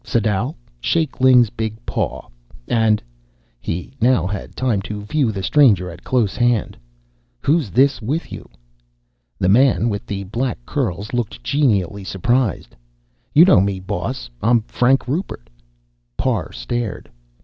Sadau, shake Ling's big paw. And," he now had time to view the stranger at close hand, "who's this with you?" The man with the black curls looked genially surprised. "You know me, boss. I'm Frank Rupert." Parr stared.